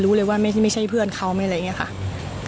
รู้เลยว่าไม่ใช่เพื่อนเขาไม่อะไรอย่างนี้ค่ะ